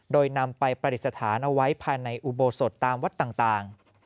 โดยนำไปประดิษฐานเอาไว้ภายในอุโบสถตามวัดต่าง